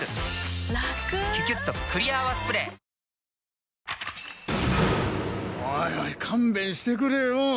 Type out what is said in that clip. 抗菌おいおい勘弁してくれよ。